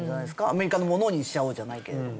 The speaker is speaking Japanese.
アメリカのものにしちゃおうじゃないけれども。